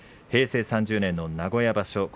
平成３０年の名古屋場所